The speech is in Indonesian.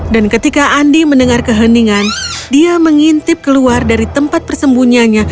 dan ketika andi mendengar keheningan dia mengintip keluar dari tempat persembunyianya